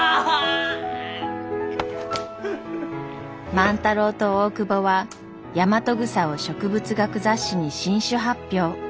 万太郎と大窪はヤマトグサを植物学雑誌に新種発表。